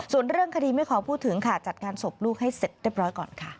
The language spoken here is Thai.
ส่วนเรื่องคดีไม่ขอพูดถึงค่ะจัดงานศพลูกให้เสร็จเรียบร้อยก่อนค่ะ